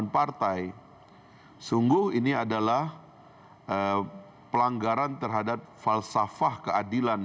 untuk partai sungguh ini adalah pelanggaran terhadap falsafah keadilan